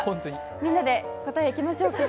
みんなで答えいきましょうか。